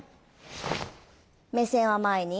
３目線は前に！